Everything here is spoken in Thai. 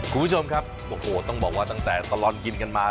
คุณผู้ชมครับโอ้โหต้องบอกว่าตั้งแต่ตลอดกินกันมา